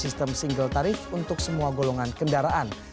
sistem single tarif untuk semua golongan kendaraan